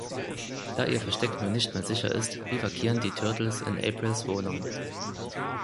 Da ihr Versteck nun nicht mehr sicher ist, biwakieren die Turtles in Aprils Wohnung.